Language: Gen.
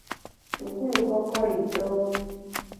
Sukulukokoyitowa.